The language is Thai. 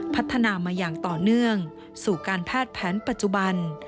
พัฒนามาอย่างต่อเนื่องสู่การแพทย์แผนปัจจุบัน